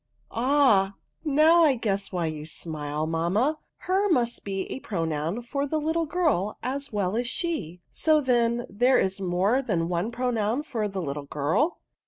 Ah ! now I guess why you smilei mamma : her must be a pronoun for the little girl as well as she. So, then, there is more than one pronoun for the little girl